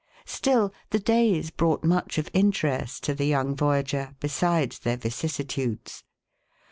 Still the days brought much of interest to the young voyager, besides their vicissitudes.